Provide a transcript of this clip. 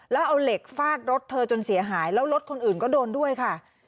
แล้วเอาเหล็กฟาดรถเธอจนเสียหายแล้วรถคนอื่นก็โดนด้วยค่ะ